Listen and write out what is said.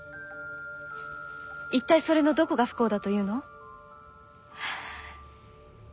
いったいそれのどこが不幸だというの？